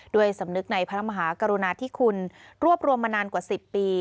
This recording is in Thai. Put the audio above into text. ด้วยสำนึกในพระมหากรุณาที่คุณรวบรวมมานานกว่าสิบปี